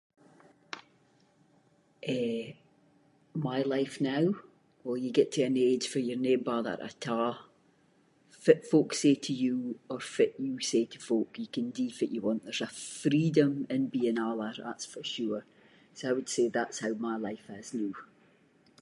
Eh my life now, well you get to an age farr you’re no bothered at a’ fitt folk say to you or fitt you say to folk, you can do fitt you want, there’s a freedom in being older, that’s for sure. So I would say, that’s how my life is noo.